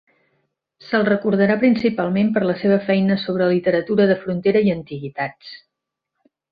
Se'l recordarà principalment per la seva feina sobre literatura de frontera i antiguitats.